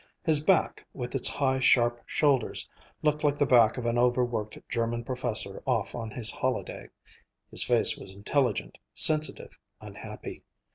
His back, with its high, sharp shoulders, looked like the back of an over worked German professor off on his holiday. His face was intelligent, sensitive, unhappy.